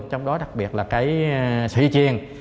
trong đó đặc biệt là cái sủi chiên